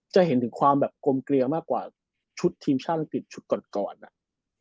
จะเห็นถึงความแบบกลมเกลียมากกว่าชุดทีมชาติอังกฤษชุดก่อนก่อนอ่ะ